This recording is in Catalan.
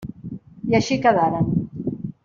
I així quedaren.